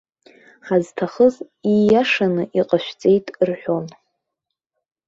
Ҳазҭахыз ииашаны иҟашәҵеит рҳәон.